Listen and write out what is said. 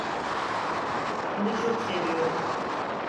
Bunu çok seviyorum.